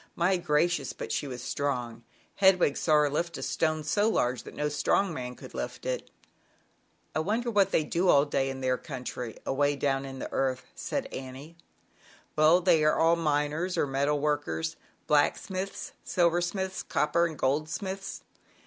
My gracious! but she was strong! Hedwig saw her lift a stone so large that n< strong man could lift it." 60 ZAUBERLINDA, THE WISE WITCH. " I wonder what they do all day in their country, away down in the earth," said Annie. "Well, they are all miners or metal workers; blacksmiths, silversmiths, cop per and goldsmiths.